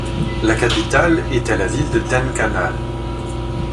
La capitale était la ville de Dhenkanal.